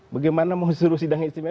bagaimana mau suruh sidang istimewa